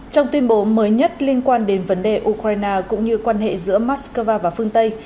trong tuyên bố mới nhất liên quan đến vấn đề ukraine cũng như quan hệ giữa moscow và phương tây